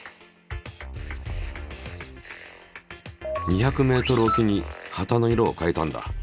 ２００ｍおきに旗の色を変えたんだ。